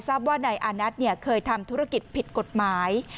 ทราบว่านายอานัสเนี่ยเคยทำธุรกิจผิดกฎหมาย